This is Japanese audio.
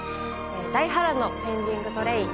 大波乱の「ペンディングトレイン」